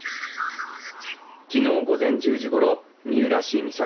昨日午前１０時ごろ三浦市三崎